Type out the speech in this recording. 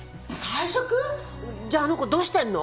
じゃああの子どうしてんの？